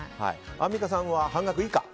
アンミカさんは半額以下。